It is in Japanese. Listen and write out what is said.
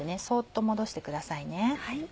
そっと戻してくださいね。